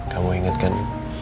kamu ingat kan